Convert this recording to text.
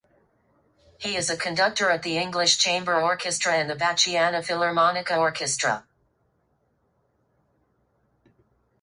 He is a conductor at the English Chamber Orchestra and the Bachiana Filarmonica Orchestra.